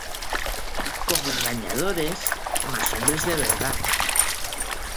como engañadores, mas hombres de verdad;